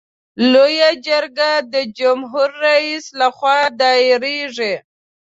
لویه جرګه د جمهور رئیس له خوا دایریږي.